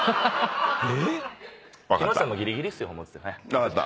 分かった。